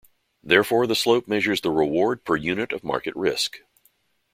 Therefore, the slope measures the reward per unit of market risk.